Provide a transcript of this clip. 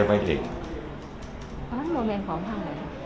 เมื่อเรียงของเหรอ